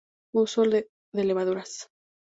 Uso de levaduras.